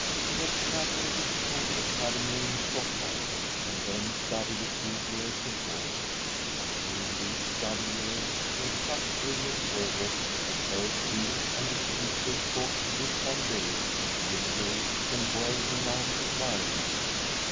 He was graduated from the Academy in Stockholm and then studied a few years abroad, and during these study years made such brilliant progress that both he and his teacher thought he would some day be a great and world renowned violinist.